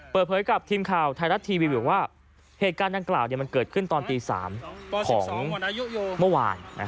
เปิดเผยกับทีมข่าวไทยรัฐทีวีบอกว่าเหตุการณ์ดังกล่าวมันเกิดขึ้นตอนตี๓ของเมื่อวาน